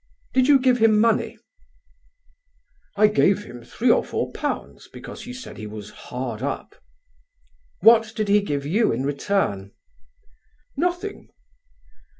"Did you give him money?" "I gave him three or four pounds because he said he was hard up." "What did he give you in return?" "Nothing."